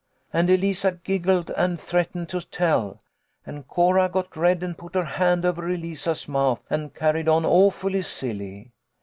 And Eliza giggled and threatened to tell, and Cora got red and put her hand over Eliza's mouth, and carried on awfully silly.